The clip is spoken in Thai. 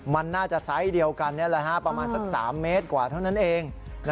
มันน่าจะไซส์เดียวกันประมาณสัก๓เมตรกว่าเท่านั้นเอง